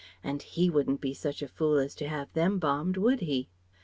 And he wouldn't be such a fool as to have them bombed, would he?"